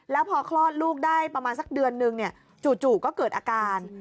แล้วพอคลอดลูกได้ประมาณสักเดือนนึงจู่ก็เกิดอาการ